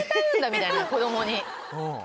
みたいな子供に。